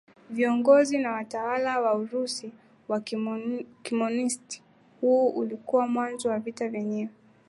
viongozi na watawala wa Urusi wa kikomunisti Huo ulikuwa mwanzo wa vita ya wenyewe